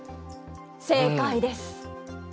正解です。